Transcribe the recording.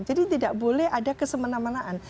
jadi tidak boleh ada kesemenamanan